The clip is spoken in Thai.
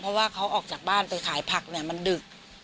เพราะว่าเขาออกจากบ้านไปขายผักเนี่ยมันดึก